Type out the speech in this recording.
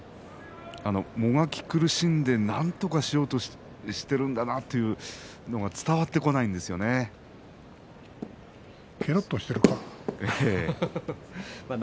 もがき苦しんでなんとかしようとしているんだなというのがけろっとしているか。